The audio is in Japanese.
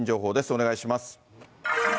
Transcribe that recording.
お願いします。